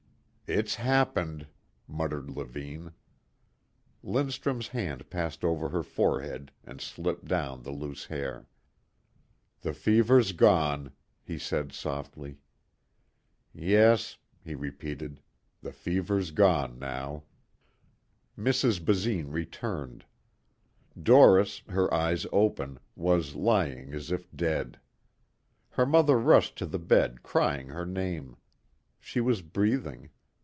"It's happened," muttered Levine. Lindstrum's hand passed over her forehead and slipped down the loose hair. "The fever's gone," he said softly. "Yes," he repeated, "the fever's gone now." Mrs. Basine returned. Doris, her eyes open, was lying as if dead. Her mother rushed to the bed crying her name. She was breathing.